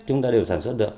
chúng ta đều sản xuất được